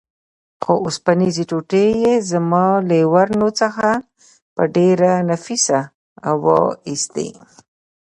څو اوسپنیزې ټوټې یې زما له ورنو څخه په ډېره نفیسه وه ایستې.